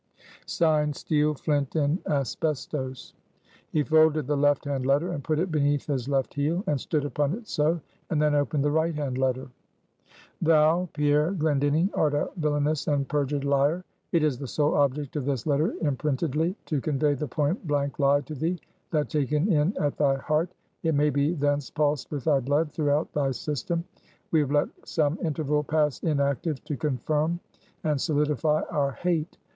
(Signed) STEEL, FLINT & ASBESTOS." He folded the left hand letter, and put it beneath his left heel, and stood upon it so; and then opened the right hand letter. "Thou, Pierre Glendinning, art a villainous and perjured liar. It is the sole object of this letter imprintedly to convey the point blank lie to thee; that taken in at thy heart, it may be thence pulsed with thy blood, throughout thy system. We have let some interval pass inactive, to confirm and solidify our hate.